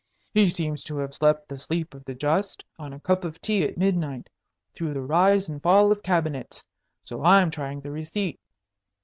"He seems to have slept the sleep of the just on a cup of tea at midnight through the rise and fall of cabinets. So I'm trying the receipt."